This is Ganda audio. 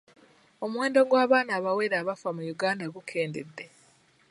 Omuwendo gw'abaana abawere abafa mu Uganda gukendedde.